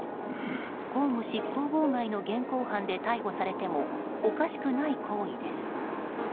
公務執行妨害の現行犯で逮捕されてもおかしくない行為です。